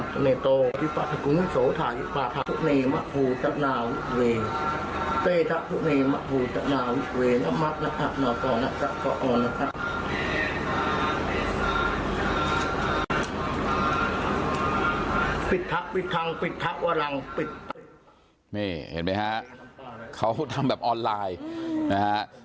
คนก็ถามกันเยอะว่ามันได้หรอเดี๋ยวไปดูคลิปก่อนนะฮะ